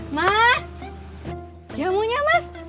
mas jamunya mas